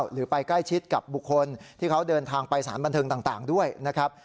หรือไปใกล้ชิดกับบุคคลที่เขาเดินทางไปสารบันเทิงต่างด้วยนะครับ